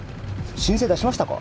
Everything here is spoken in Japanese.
申請出しましたか？